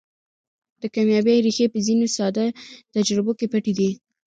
د کاميابۍ ريښې په ځينو ساده تجربو کې پټې دي.